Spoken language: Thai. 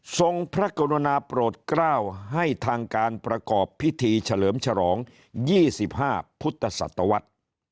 พระกรุณาโปรดกล้าวให้ทางการประกอบพิธีเฉลิมฉลอง๒๕พุทธศตวรรษ